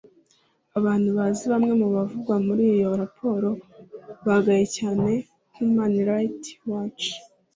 abantu bazi bamwe mu bavugwa muri iyo raporo bagaya cyane Human Rights Watch